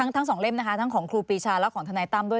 ทั้งสองเล่มนะคะทั้งของครูปีชาและของทนายตั้มด้วย